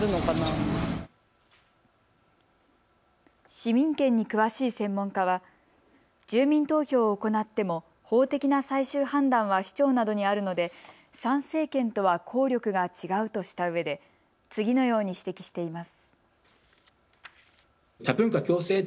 市民権に詳しい専門家は住民投票を行っても法的な最終判断は市長などにあるので参政権とは効力が違うとしたうえで次のように指摘しています。